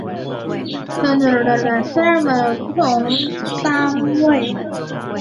地层单位在地层学中是指根据岩层的不同特征或属性将其划分成的不同单位。